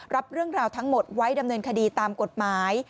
รับเรื่องราวทั้งหมดไว้ดำเนินคดีตามกฎหมาย